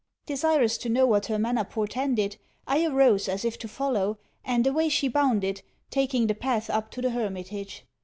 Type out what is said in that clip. Desirous to know what her manner portended, I arose as if to follow, and away she bounded, taking the path up to the hermitage.